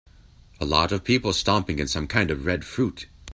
A lot of people stomping in some kind of red fruit.